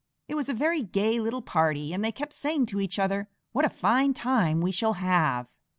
It was a very gay little party, and they kept saying to each other, "What a fine time we shall have!"